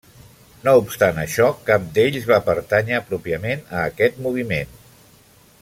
No obstant això, cap d'ells va pertànyer pròpiament a aquest moviment.